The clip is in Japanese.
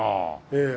ええ。